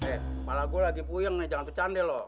eh kepala gue lagi puyeng nih jangan kecandel loh